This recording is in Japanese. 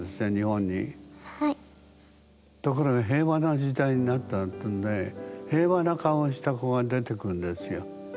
ところが平和な時代になったっていうんで平和な顔をした子が出てくるんですよ。